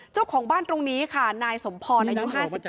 เจ้าของบ้านตรงนี้ค่ะนายสมพรอายุ๕๗